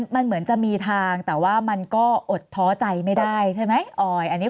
มันเหมือนจะมีทางแต่ว่ามันก็อดท้อใจไม่ได้ใช่ไหมออย